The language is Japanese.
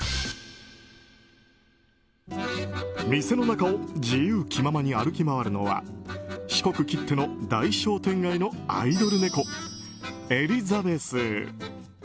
店の中を自由気ままに歩き回るのは四国きっての大商店街のアイドル猫、エリザベス。